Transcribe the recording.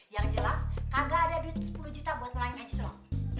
yang jelas kagak ada duit sepuluh juta buat melayani haji sulam